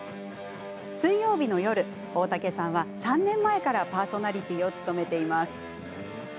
水曜日の夜大竹さんは３年前からパーソナリティーを務めています。